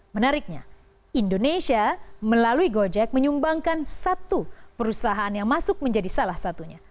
menariknya indonesia melalui gojek menyumbangkan satu perusahaan yang masuk menjadi salah satunya